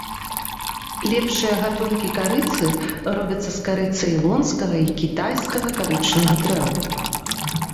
Лепшыя гатункі карыцы робяцца з кары цэйлонскага і кітайскага карычных дрэў.